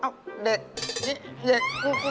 อ้าวเด็กเด็ก